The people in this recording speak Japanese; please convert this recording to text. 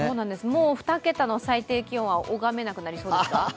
もう２桁の最低気温は拝めなくなりそうですか？